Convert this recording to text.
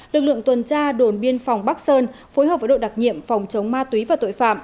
lực lượng tuần tra đồn biên phòng bắc sơn phối hợp với đội đặc nhiệm phòng chống ma túy và tội phạm